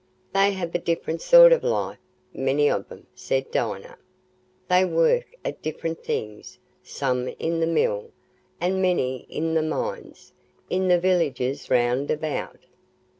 "They have a different sort of life, many of 'em," said Dinah; "they work at different things—some in the mill, and many in the mines, in the villages round about.